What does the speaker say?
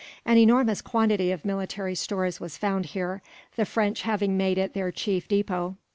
An enormous quantity of military stores was found here, the French having made it their chief depot.